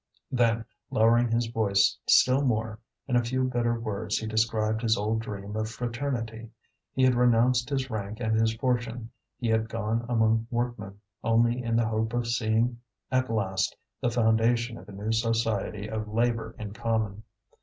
Then, lowering his voice still more, in a few bitter words he described his old dream of fraternity. He had renounced his rank and his fortune; he had gone among workmen, only in the hope of seeing at last the foundation of a new society of labour in common.